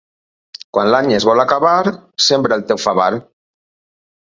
Quan l'any es vol acabar, sembra el teu favar.